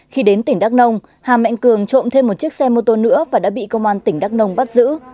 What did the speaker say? khi đến tỉnh đắk nông hà mạnh cường trộm thêm một chiếc xe mô tô nữa và đã bị công an tỉnh đắk nông bắt giữ